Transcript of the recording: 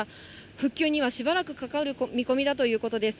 復旧にはしばらくかかる見込みだということです。